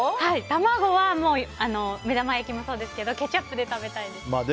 卵は目玉焼きもそうですけどケチャップで食べたいです。